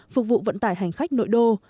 phục vụ vận tải hành khách nội đô